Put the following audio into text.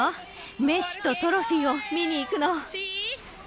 メッシとトロフィーを見に行くの。